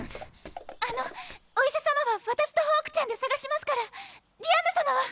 あのお医者様は私とホークちゃんで探しますからディアンヌ様は。